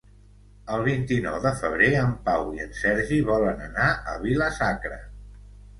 El vint-i-nou de febrer en Pau i en Sergi volen anar a Vila-sacra.